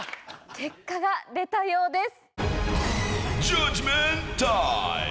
結果が出たようです。